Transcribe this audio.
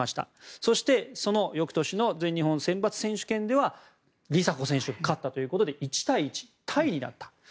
そして翌年の全日本選抜選手権では梨紗子選手が勝ったということで１対１タイになった。